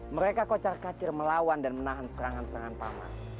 mereka kocar kacir melawan dan menahan serangan serangan paman